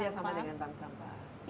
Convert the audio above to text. kerjasama dengan bank sampah